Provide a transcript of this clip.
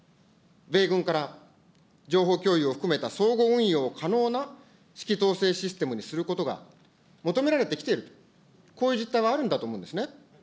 米軍から、情報共有を含めた相互運用可能な指揮統制システムにすることが求められてきていると、こういう実態はあるんだと思うんですね。